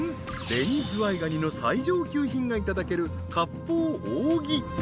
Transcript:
紅ズワイガニの最上級品がいただける割烹扇］